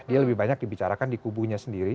dia lebih banyak dibicarakan di kubunya sendiri